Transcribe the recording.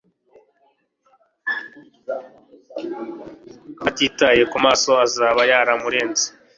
Utitaye kumaso azaba yaramurenze